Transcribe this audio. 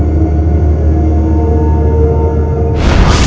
aku akan melahirkan kamu